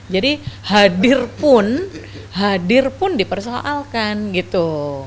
jadi hadir pun hadir pun dipersoalkan gitu